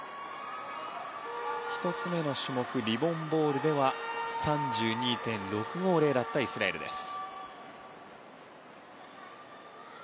１つ目の種目、リボン・ボールは３２．６５０だったイスラエルです。